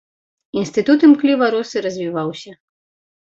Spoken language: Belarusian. Інстытут імкліва рос і развіваўся.